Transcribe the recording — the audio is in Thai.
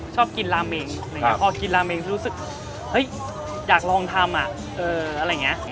ชอบกินลาเมงพอกินลาเมงรู้สึกอยากลองทำอ่ะเอออะไรอย่างเงี้ย